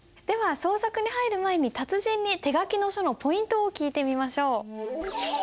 では創作に入る前に達人に手書きの書のポイントを聞いてみましょう。